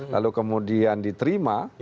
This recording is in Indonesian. lalu kemudian diterima